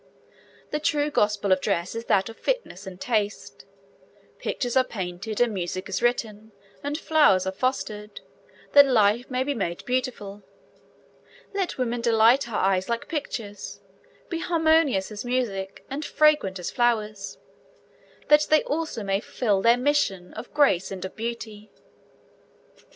The true gospel of dress is that of fitness and taste. Pictures are painted, and music is written, and flowers are fostered, that life may be made beautiful. Let women delight our eyes like pictures, be harmonious as music, and fragrant as flowers, that they also may fulfil their mission of grace and of beauty.